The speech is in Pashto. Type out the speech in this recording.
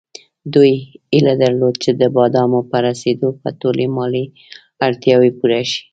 دوی هیله درلوده چې د بادامو په رسېدو به ټولې مالي اړتیاوې پوره شي.